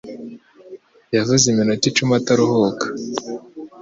Yavuze iminota icumi ataruhuka.